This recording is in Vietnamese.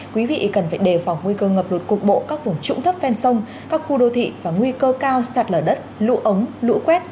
quý vị cần phải đề phòng nguy cơ ngập lụt cục bộ các vùng trũng thấp ven sông các khu đô thị và nguy cơ cao sạt lở đất lũ ống lũ quét